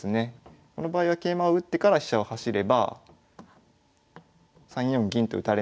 この場合は桂馬を打ってから飛車を走れば３四銀と打たれないようになっているので。